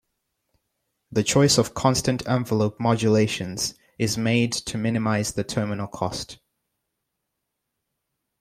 The choice of constant envelope modulations is made to minimize the terminal cost.